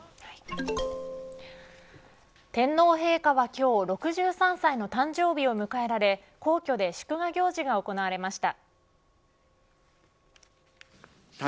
天皇陛下は今日６３歳の誕生日を迎えられ皇居で祝賀行事が行われました。